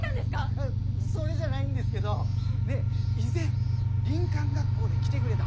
あっそれじゃないんですけど以前林間学校で来てくれだ